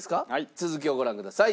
続きをご覧ください。